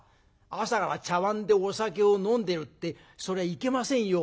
朝から茶わんでお酒を飲んでるってそりゃいけませんよ。